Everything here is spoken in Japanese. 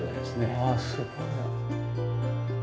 ああすごいな。